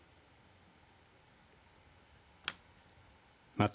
また、